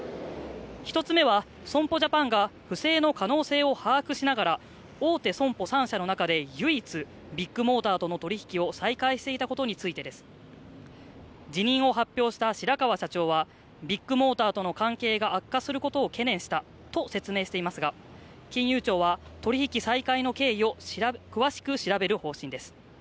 １つ目は損保ジャパンが不正の可能性を把握しながら大手損保３社の中で唯一ビッグモーターとの取引を再開していたことについてです辞任を発表した白川社長はビッグモーターとの関係が悪化することを懸念したと説明していますが金融庁は取引再開の経緯を詳しく調べる方針です